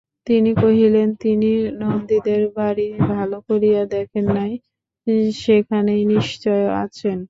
তিনি কহিলেন, তিনি নন্দীদের বাড়ি ভালো করিয়া দেখেন নাই, সেখানেই নিশ্চয় আচেন।